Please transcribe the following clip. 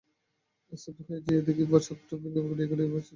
স্তম্ভিত হয়ে চেয়ে দেখি, প্রাসাদটা ভেঙে গুড়িয়ে ছড়িয়ে পড়ছে চারদিকে।